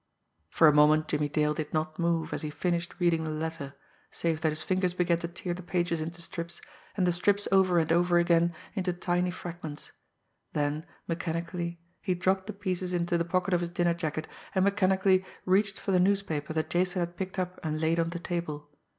For a moment Jimmie Dale did not move as he finished reading the letter, save that his fingers began to tear the pages into strips, and the strips over and over again into tiny fragments then, mechanically, he dropped the pieces into the pocket of his dinner jacket and mechanically reached for the newspaper that Jason had picked up and laid on the table.